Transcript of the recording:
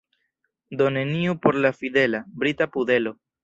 Do neniu por la fidela, brita pudelo.